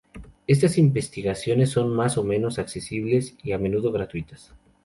Estas investigaciones son más o menos accesibles y a menudo gratuitas.